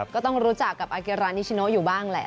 ก็ต้องรู้จักกับอาเกรานิชโนอยู่บ้างแหละ